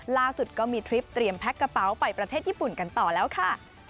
ล่าสุดก็มีทริปเตรียมแพ็คกระเป๋าไปประเทศญี่ปุ่นกันต่อแล้วค่ะ